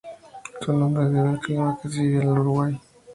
Su nombre se debe al clima que se vivía en el Uruguay.